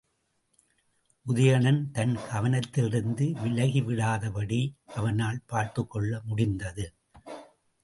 உதயணன் தன் கவனத்திலிருந்து விலகிவிடாதபடி அவனால் பார்த்துக் கொள்ள முடிந்தது.